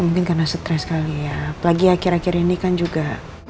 mungkin karena stres sekali ya apalagi akhir akhir ini kan juga